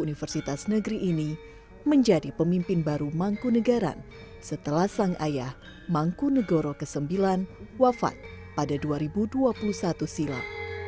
universitas negeri ini menjadi pemimpin baru mangkunagaran setelah sang ayah mangkunagoro ix wafat pada dua ribu dua puluh satu silam